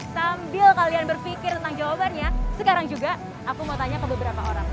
sambil kalian berpikir tentang jawabannya sekarang juga aku mau tanya ke beberapa orang